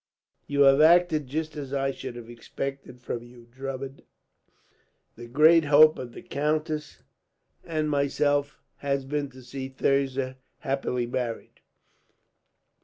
"You have acted just as I should have expected from you, Drummond. The great hope of the countess and myself has been to see Thirza happily married.